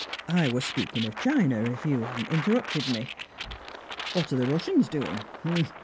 "I was speaking of China, if you hadn't interrupted me. What are the Russians doing?